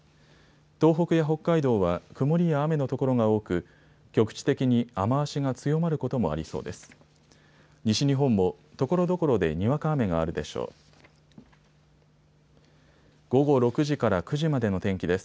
東北や北海道は曇りや雨の所が多く局地的に雨足が強まることもありそうです。